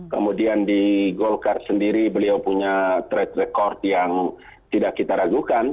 kemudian di golkar sendiri beliau punya track record yang tidak kita ragukan